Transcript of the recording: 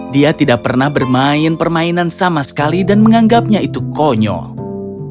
dia tidak pernah bermain permainan sama sekali dan menganggapnya itu konyol